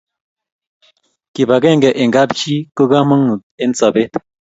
kip akenge eng kap chii ko kamagut eng sabet